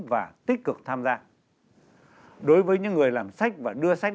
và tích cực tham gia đối với những người làm sách và đưa sách